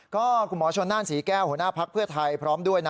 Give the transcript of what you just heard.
ก็คุณมชนานสีแก้วโหลหน้าพักเพื่อไทย